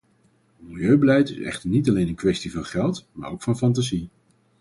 Milieubeleid is echter niet alleen een kwestie van geld, maar ook van fantasie.